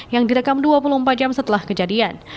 yang direkam dua puluh empat jam setelah kejadian